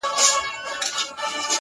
• یوه ورځ په دې جرګه کي آوازه سوه,